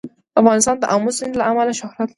افغانستان د آمو سیند له امله شهرت لري.